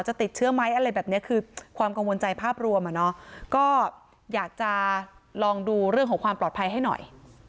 ติดเชื้อไหมอะไรแบบนี้คือความกังวลใจภาพรวมอ่ะเนาะก็อยากจะลองดูเรื่องของความปลอดภัยให้หน่อย